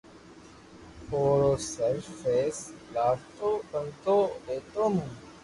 امو رو سر فيس لآيتو پسو او ئيئو مون